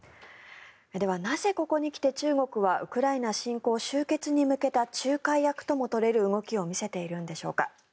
ではなぜここに来て中国はウクライナ侵攻終結に向けた仲介役とも取れる動きを見せているんでしょうか。